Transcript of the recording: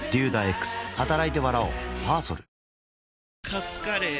カツカレー？